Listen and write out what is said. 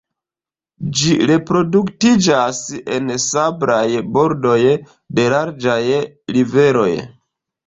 Ĝi reproduktiĝas en sablaj bordoj de larĝaj riveroj.